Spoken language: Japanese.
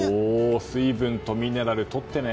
水分とミネラルとってね。